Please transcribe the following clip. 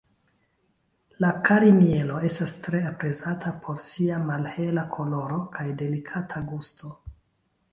La kari-mielo estas tre aprezata por sia malhela koloro kaj delikata gusto.